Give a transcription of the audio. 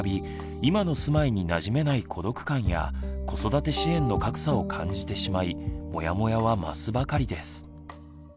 今の住まいになじめない孤独感や子育て支援の格差を感じてしまいモヤモヤは増すばかりです。